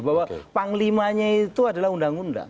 bahwa panglimanya itu adalah undang undang